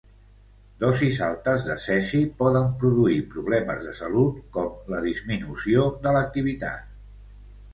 Dosis altes de cesi poden produir problemes de salut com la disminució de l'activitat.